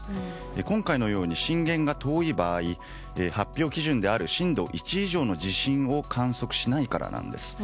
今回のように震源が遠い場合発表基準である震度１以上の地震を観測しないからなんです。